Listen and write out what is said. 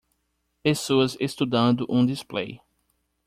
Pessoas estudando um display.